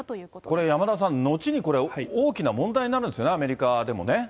これ、山田さん、後に大きな問題になるんですよね、アメリカでもね。